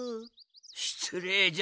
しつれいじゃのう。